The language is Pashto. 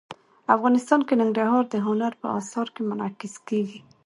افغانستان کې ننګرهار د هنر په اثار کې منعکس کېږي.